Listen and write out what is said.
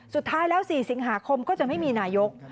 สุดท้ายแล้ว๔สิงหาคมก็จะไม่มีนายก